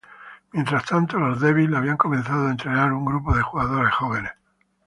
Mientras tanto, los "Devils" habían comenzado a entrenar un grupo de jugadores jóvenes.